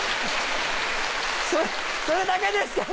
それだけですか！